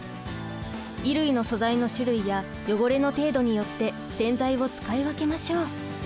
衣類の素材の種類や汚れの程度によって洗剤を使い分けましょう。